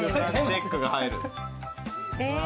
チェックが入る。